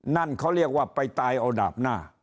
นั่นเขาเรียกว่าไปตายเอาดาบหน้า